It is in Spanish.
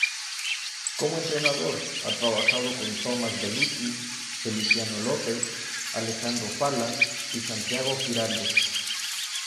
Como entrenador, ha trabajado con Thomaz Bellucci, Feliciano López, Alejandro Falla y Santiago Giraldo.